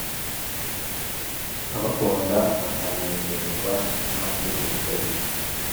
abamukunda bakanezezwa n’amategeko ye